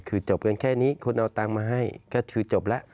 คือจบกันแค่นี้คนเอาตังค์มาให้ก็คือจบแล้ว